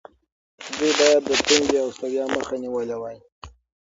دوی باید د تندې او ستړیا مخه نیولې وای.